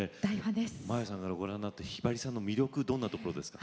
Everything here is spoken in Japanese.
真彩さんからご覧になってひばりさんの魅力どんなところですか？